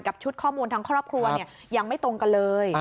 ชุดข้อมูลทั้งครอบครัวยังไม่ตรงกันเลย